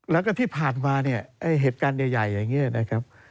แล้วก็ที่ผ่านมาเนี่ยเหตุการณ์ใหญ่อย่างนี้นะครับ